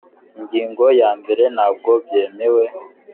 ngingo ya mbere ntabwo byemewe